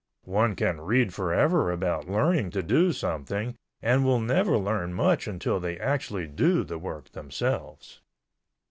One can read forever about learning to do something and will never learn much until they actually do the work themselves.